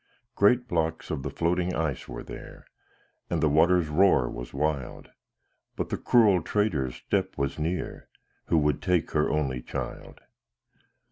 Great blocks of the floating ice were there, And the water's roar was wild, But the cruel trader's step was near, Who would take her only child.